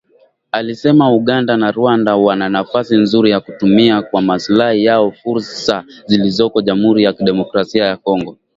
Alisema Uganda na Rwanda wana nafasi nzuri ya kutumia kwa maslahi yao fursa zilizoko Jamhuri ya Kidemokrasia ya Kongo